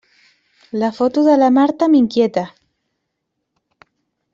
La foto de la Marta m'inquieta.